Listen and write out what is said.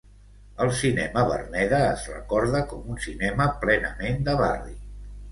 El cinema Verneda es recorda com un cinema plenament de barri.